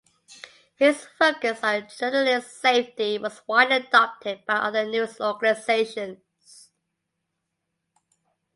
His focus on journalist safety was widely adopted by other news organizations.